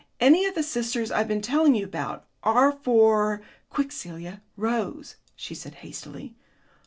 Any of the sisters I've been telling you about. R for quick, Celia!" "Rose," she said hastily.